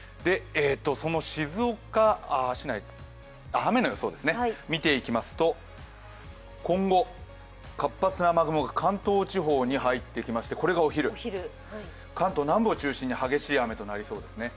静岡市内の雨の予想を見ていきますと、今後、活発な雨雲が関東地方に入ってきまして、これがお昼、関東南部を中心に激しい雨となりそうですね。